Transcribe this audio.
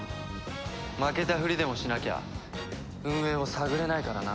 負けたふりでもしなきゃ運営を探れないからな。